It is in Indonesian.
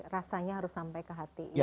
rasanya harus sampai ke hati